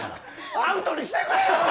アウトにしてくれよ！